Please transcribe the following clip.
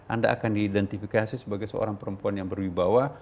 anda akan diidentifikasi sebagai seorang perempuan yang berwibawa